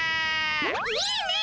いいねえ！